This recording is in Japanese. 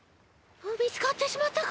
みつかってしまったか！